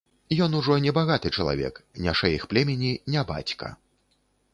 Ён ужо не багаты чалавек, не шэйх племені, не бацька.